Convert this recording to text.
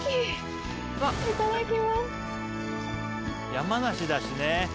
山梨だしね。